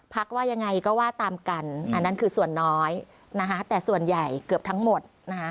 ว่ายังไงก็ว่าตามกันอันนั้นคือส่วนน้อยนะคะแต่ส่วนใหญ่เกือบทั้งหมดนะคะ